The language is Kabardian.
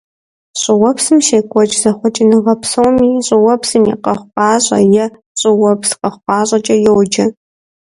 ЩӀыуэпсым щекӀуэкӀ зэхъуэкӀыныгъэ псоми щӀыуэпсым и къэхъукъащӀэ е щӀыуэпс къэхъукъащӀэкӀэ йоджэ.